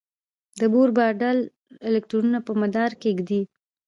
د بور ماډل الکترونونه په مدارونو کې ږدي.